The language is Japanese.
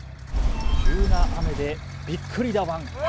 急な雨でびっくりだワン。